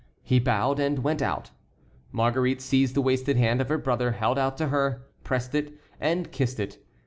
He bowed and went out. Marguerite seized the wasted hand her brother held out to her, pressed it, and kissed it.